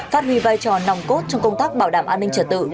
phát huy vai trò nòng cốt trong công tác bảo đảm an ninh trật tự